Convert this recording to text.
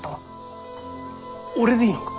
俺でいいのか？